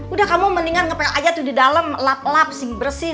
udah kamu mendingan ngepel aja tuh di dalam lap lap sih bersih